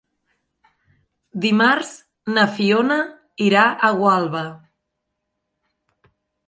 Dimarts na Fiona irà a Gualba.